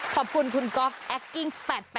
ขอบคุณคุณก๊อฟแอคกิ้ง๘๘